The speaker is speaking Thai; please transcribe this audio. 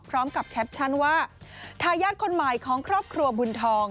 แคปชั่นว่าทายาทคนใหม่ของครอบครัวบุญทอง